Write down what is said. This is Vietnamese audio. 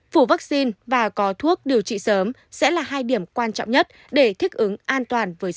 phủ vaccine và có thuốc điều trị sớm sẽ là hai điểm quan trọng nhất để thích ứng an toàn với sức khỏe